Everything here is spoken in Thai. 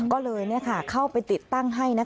ก็เลยเข้าไปติดตั้งให้